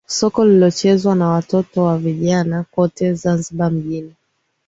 soka lilichezewa na watoto na vijana kote Zanzibar mjini